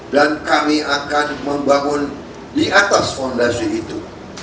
dan kami akan membangun di atas fondasi itu